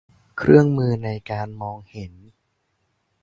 เครื่องมือในการมอง